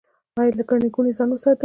ایا له ګڼې ګوڼې ځان وساتم؟